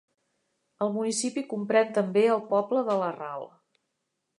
El municipi comprèn també el poble de La Ral.